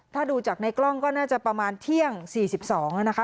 ถ้าดูจากในกล้องก็น่าจะประมาณเที่ยง๔๒แล้วนะคะ